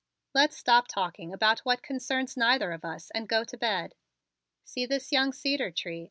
Let's stop talking about what concerns neither of us and go to bed. See this young cedar tree?